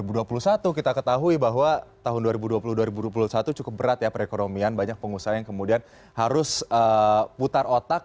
dua ribu dua puluh satu kita ketahui bahwa tahun dua ribu dua puluh dua ribu dua puluh satu cukup berat ya perekonomian banyak pengusaha yang kemudian harus putar otak